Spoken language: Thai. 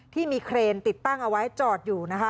ที่มีเครนติดตั้งเอาไว้จอดอยู่นะคะ